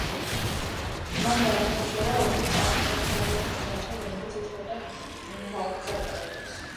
მან განახორციელა ომი პალმის მაცხოვრებლების წინააღმდეგ, რომლებიც ითხოვდნენ ქალაქის ავტონომიას.